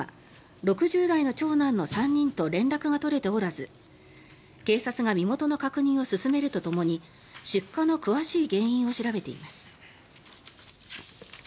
６０代の長男の３人と連絡が取れておらず警察が身元の確認を進めるとともに出火の詳しい原因を調べています。